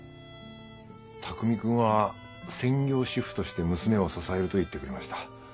巧君は専業主夫として娘を支えると言ってくれました。